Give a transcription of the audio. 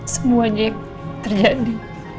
semuanya yang terjadi